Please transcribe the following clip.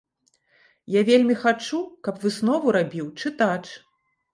Я вельмі хачу, каб выснову рабіў чытач.